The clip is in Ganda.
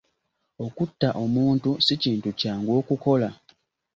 Okutta omuntu si kintu kyangu okukola.